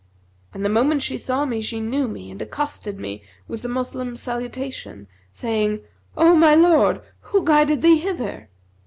And the moment she saw me, she knew me and accosted me with the Moslem salutation, saying, 'O my lord, who guided thee hither?'